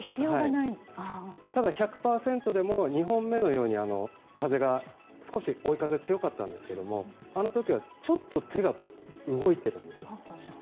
ただ、１００％でも２本目のように風が少し追い風が強かったんですがあの時は、ちょっと手が動いているんですよ。